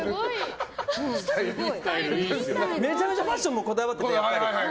めちゃめちゃファッションもこだわってて。